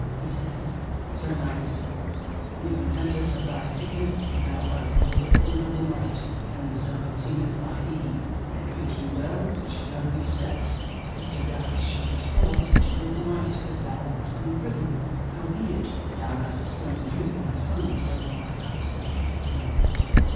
He said: Sir knight, me repenteth of thy sickness for thou art called a full noble knight, and so it seemeth by thee; and wit ye well it shall never be said that Sir Darras shall destroy such a noble knight as thou art in prison, howbeit that thou hast slain three of my sons whereby I was greatly aggrieved.